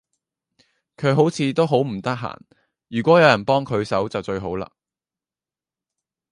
佢好似都好唔得閒，如果有人幫佢手就最好嘞